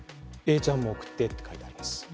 Ａちゃんも送ってと書いてあるんです。